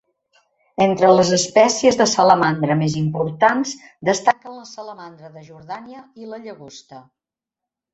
Entre les espècies de salamandra més importants destaquen la salamandra de Jordània i la llagosta.